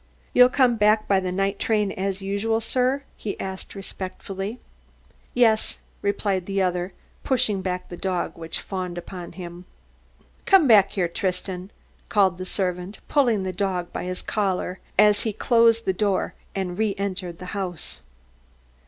"You'll come back by the night train as usual, sir?" he asked respectfully. "Yes," replied the other, pushing back the dog, which fawned upon him. "Come back here, Tristan," called the servant, pulling the dog in by his collar, as he closed the door and re entered the house.